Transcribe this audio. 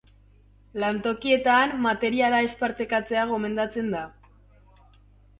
Lantokietan materiala ez partekatzea gomendatzen da.